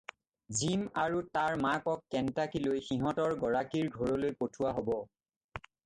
Gym আৰু তাৰ মাকক কেণ্টাকীলৈ সিহঁতৰ গৰাকীৰ ঘৰলৈ পঠোৱা হ'ব।